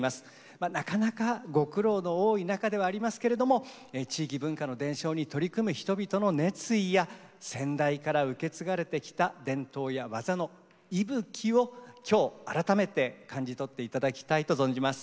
まあなかなかご苦労の多い中ではありますけれども地域文化の伝承に取り組む人々の熱意や先代から受け継がれてきた伝統や技の息吹を今日改めて感じ取って頂きたいと存じます。